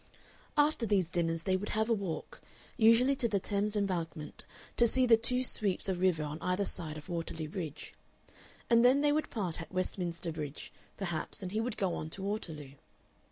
After these dinners they would have a walk, usually to the Thames Embankment to see the two sweeps of river on either side of Waterloo Bridge; and then they would part at Westminster Bridge, perhaps, and he would go on to Waterloo.